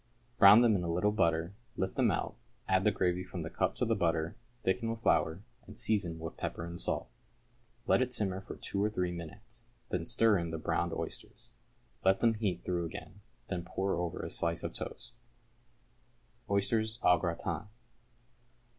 Brown them in a little butter, lift them out, add the gravy from the cup to the butter, thicken with flour, and season with pepper and salt. Let it simmer for two or three minutes, then stir in the browned oysters; let them heat through again, then pour over a slice of toast. =Oysters, au Gratin.